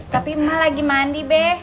tapi emak lagi mandi be